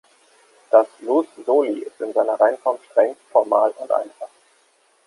Das Ius soli ist in seiner Reinform streng, formal und einfach.